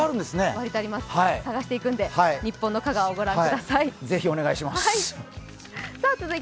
探していく、ニッポンの香川を御覧ください。